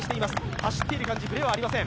走っている感じにブレはありません。